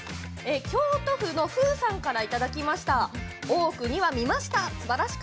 京都府の方からいただきました。